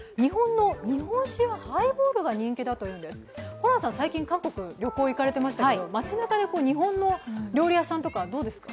ホランさん、最近韓国に旅行に行かれてましたけど街なかで日本の料理屋さんとかどうですか？